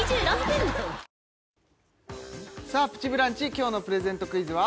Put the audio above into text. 今日のプレゼントクイズは？